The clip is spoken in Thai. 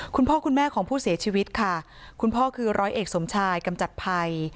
คุณพ่อคุณแม่ของผู้เสียชีวิตค่ะคุณพ่อคือร้อยเอกสมชายกำจัดภัย